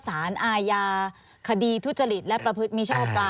ศาลอายาคดีทุจริตและประพฤติมีชาวปราม